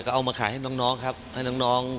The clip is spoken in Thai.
ก็เอามาขายให้น้องครับให้น้อง